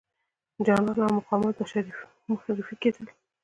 جنرالان او مقامات به شریف معرفي کېدل.